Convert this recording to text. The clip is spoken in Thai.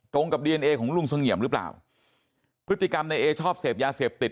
กับดีเอนเอของลุงเสงี่ยมหรือเปล่าพฤติกรรมในเอชอบเสพยาเสพติด